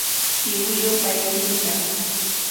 Pikiwiro paikinta.